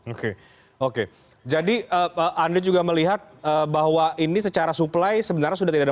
oke oke jadi anda juga melihat bahwa ini secara suplai sebenarnya sudah tidak ada